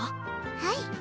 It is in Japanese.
はい。